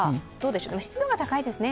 でも、湿度が高いですね。